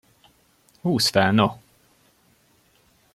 Húzd fel no!